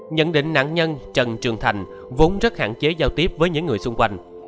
nhận định nạn nhân trần trường thành vốn rất hạn chế giao tiếp với những người xung quanh